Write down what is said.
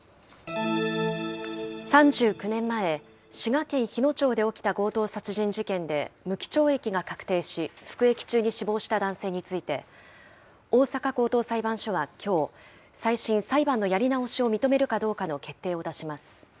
３９年前、滋賀県日野町で起きた強盗殺人事件で無期懲役が確定し、服役中に死亡した男性について、大阪高等裁判所はきょう、再審・裁判のやり直しを認めるかどうかの決定を出します。